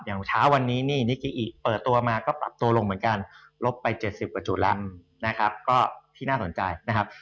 เช้าวันนี้นี่นิกิอิเปิดตัวมาก็ปรับตัวลงเหมือนกันลบไป๗๐กว่าจุดแล้วนะครับก็ที่น่าสนใจนะครับ